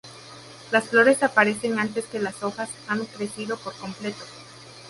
Las flores aparecen antes que las hojas han crecido por completo.